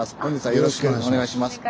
よろしくお願いします。